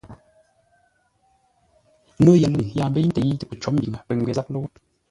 No yəlʉ̂ŋ yaa mbəi ntə̂i tə pəcó mbiŋə pə̂ ngwê záp lə́wó.